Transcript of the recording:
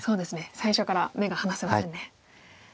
最初から目が離せませんね。